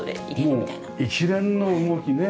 もう一連の動きね。